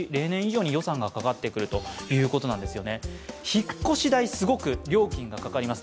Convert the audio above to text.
引っ越し代、すごく料金がかかります。